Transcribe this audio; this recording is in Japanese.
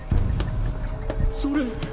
それ。